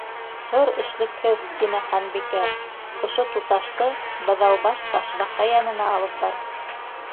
—Тор, эшлекһеҙ, —тине Ханбикә, —ошо туташты Быҙау- баш Ташбаҡа янына алып бар.